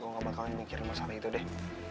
gue gak bakalan mikirin masalah itu deh